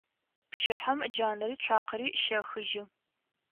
Пчыхьэм джанэри цуакъэри щехыжьы.